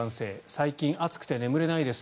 最近、暑くて眠れないです